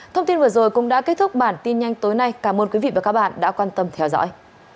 thông tin vừa rồi cũng đã kết thúc bản tin nhanh tối nay cảm ơn quý vị và các bạn đã quan tâm theo dõi